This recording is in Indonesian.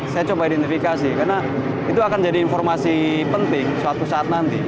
saya coba identifikasi karena itu akan jadi informasi penting suatu saat nanti